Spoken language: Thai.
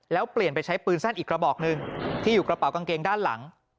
แล้วเปลี่ยนไปใช้ปืนสั้นอีกกระบอกหนึ่งที่อยู่กระเป๋ากางเกงด้านหลัง